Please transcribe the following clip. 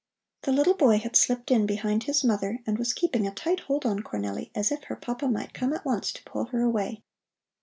The little boy had slipped in behind his mother and was keeping a tight hold on Cornelli, as if her papa might come at once to pull her away.